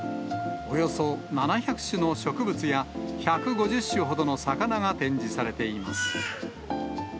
およそ７００種の植物や、１５０種ほどの魚が展示されています。